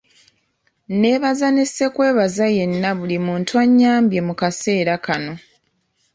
N'ebaza ne ssekwebaza yenna buli muntu anyambye mu kaseera kano